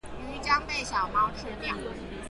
魚將被小貓吃掉。